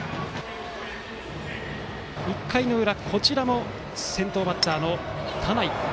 １回の裏こちらも先頭バッターの田内。